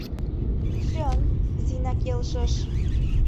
— Чын, — Зина келшыш.